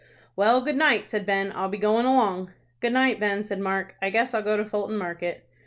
"Well, good night," said Ben; "I'll be goin' along." "Good night, Ben," said Mark, "I guess I'll go to Fulton Market."